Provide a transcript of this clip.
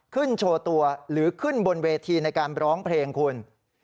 โชว์ตัวหรือขึ้นบนเวทีในการร้องเพลงคุณ